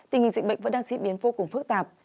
tình hình dịch bệnh vẫn đang diễn biến vô cùng phức tạp